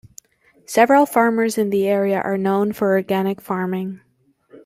Several farmers in the area are known for organic farming.